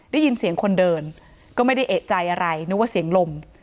ได้ยินเสียงคนเดินก็ไม่ได้เอกใจอะไรนึกว่าเสียงลม